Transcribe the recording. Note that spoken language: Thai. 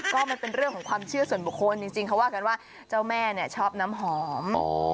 ก็มันเป็นเรื่องของความเชื่อส่วนบุคคลจริงเขาว่ากันว่าเจ้าแม่เนี่ยชอบน้ำหอม